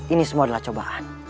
ini semua adalah cobaan